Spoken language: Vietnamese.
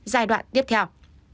giai đoạn tiếp theo